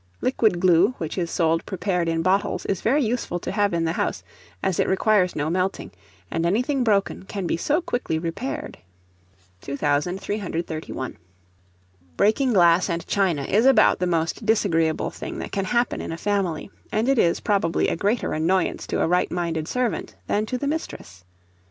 Liquid glue, which is sold prepared in bottles, is very useful to have in the house, as it requires no melting; and anything broken can be so quickly repaired. 2331. Breaking glass and china is about the most disagreeable thing that can happen in a family, and it is, probably, a greater annoyance to a right minded servant than to the mistress.